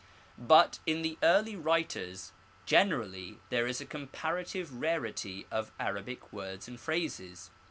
But in the early writers generally there is a comparative rarity of Arabic words and phrases.